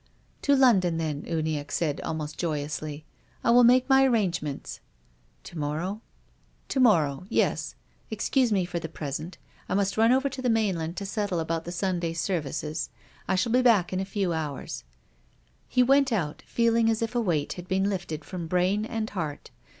" To London then," Uniacke said, almost joy ously. " I will make my arrangements." " To morrow ?"" To morrow. Yes. Excuse me for the present. I must run over to the mainland to settle about the Sunday services. I shall be back in a few hours." He went out, feeling as if a weight had been lifted from brain and heart.